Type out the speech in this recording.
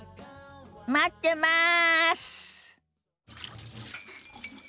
待ってます！